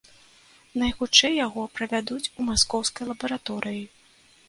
Найхутчэй яго правядуць у маскоўскай лабараторыі.